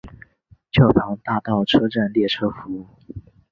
教堂大道车站列车服务。